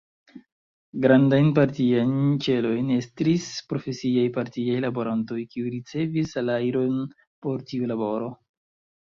Grandajn partiajn ĉelojn estris profesiaj partiaj laborantoj, kiuj ricevis salajron por tiu laboro.